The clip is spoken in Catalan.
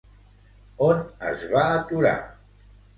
On es va aturar?